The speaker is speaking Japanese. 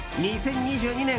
２０２２年